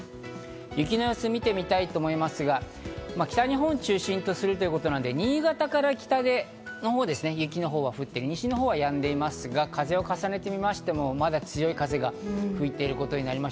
雪の様子を見てみたいと思いますが、北日本中心とするということなので、新潟から北で雪が降っていて、西の方はやんでいますが、風のほうを重ねてみましても、まだ強い風が吹いていることになります。